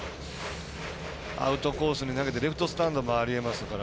アウトコースに投げてレフトスタンドもありえますから。